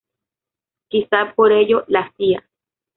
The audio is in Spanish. Quizá por ello la "Cía.